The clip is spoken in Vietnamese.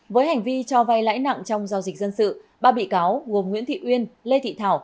với hành vi cho vay lãi nặng trong giao dịch dân sự ba bị cáo gồm nguyễn thị uyên lê thị thảo